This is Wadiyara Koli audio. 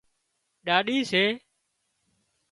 ڏاڏِي سي